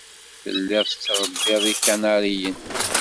Telliḍ tettṛebbiḍ ikanaṛiyen.